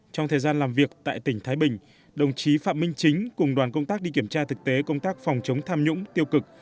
trong thời gian làm việc tại tỉnh thái bình đồng chí phạm minh chính cùng đoàn công tác đi kiểm tra thực tế công tác phòng chống tham nhũng tiêu cực